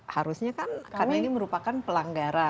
harusnya kan karena ini merupakan pelanggaran